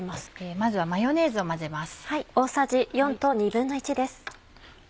まずはマヨネーズを混ぜます。